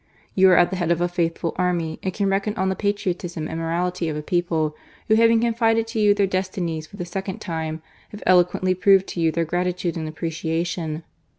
You are at the head of a faithful army, and can reckon on the patriotism and morality of a people who, having confided to you their destinies for the second time, have elo quently proved to you their gratitude and appre ciation.